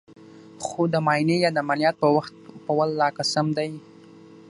خو د معاينې يا د عمليات په وخت په ولله قسم ديه.